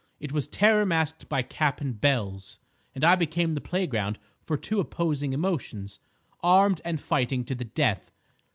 It was terror masked by cap and bells; and I became the playground for two opposing emotions, armed and fighting to the death.